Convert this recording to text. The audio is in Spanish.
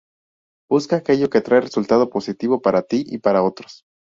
Busca aquello que trae un resultado positivo, para ti y para otros.